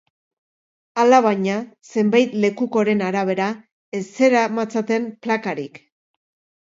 Alabaina, zenbait lekukoren arabera, ez zeramatzaten plakarik.